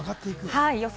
予想